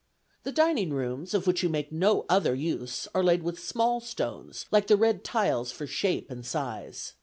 The dining rooms, of which you make no other use, are laid with small stones, like the red tiles for shape and size.